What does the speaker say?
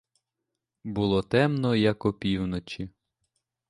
Було темно, як опівночі.